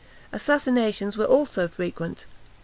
Assassinations were also frequent.